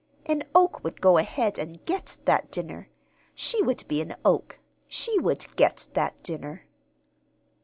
An oak would go ahead and get that dinner. She would be an oak. She would get that dinner.